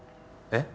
えっ？